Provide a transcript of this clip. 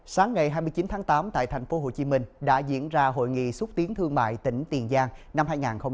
sáng ngày hai mươi chín tháng tám tại tp hcm đã diễn ra hội nghị xúc tiến thương mại tỉnh tiền giang năm hai nghìn hai mươi ba